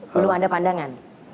belum ada pandangan